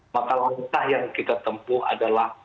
maka langkah yang kita tempuh adalah